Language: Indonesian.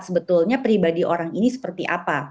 sebetulnya pribadi orang ini seperti apa